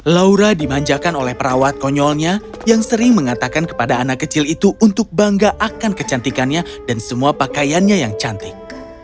laura dimanjakan oleh perawat konyolnya yang sering mengatakan kepada anak kecil itu untuk bangga akan kecantikannya dan semua pakaiannya yang cantik